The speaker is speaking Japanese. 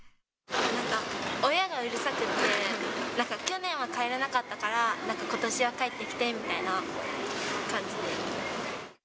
なんか親がうるさくって、去年は帰らなかったから、ことしは帰ってきてみたいな感じで。